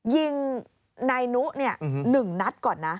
ยิงนายนุ๑นัดก่อนนะ